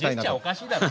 おかしいだろ。